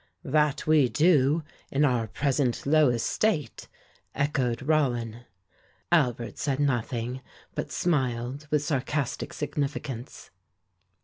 "That we do, in our present low estate," echoed Rollin. Albert said nothing, but smiled with sarcastic significance.